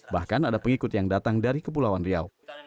bahkan ada pengikut yang datang dari kepulauan riau